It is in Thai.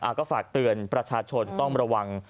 ก็ฝากเตือนประชาชนต้องระวัง